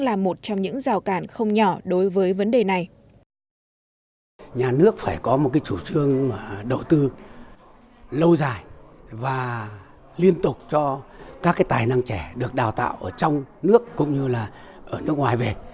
lâu dài và liên tục cho các tài năng trẻ được đào tạo ở trong nước cũng như ở nước ngoài về